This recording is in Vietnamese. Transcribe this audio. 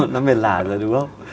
nó mệt lả rồi đúng không